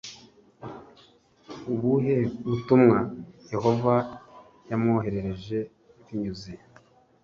ubuhe butumwa Yehova yamwoherereje binyuze